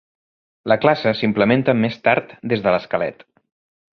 La classe s'implementa més tard des de l'esquelet.